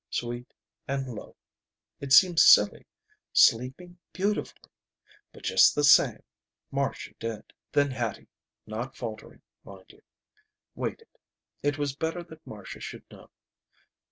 Sweet and low. It seemed silly, sleeping beautifully. But just the same, Marcia did. Then Hattie, not faltering, mind you, waited. It was better that Marcia should know.